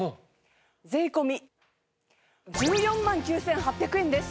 税込１４万９８００円です。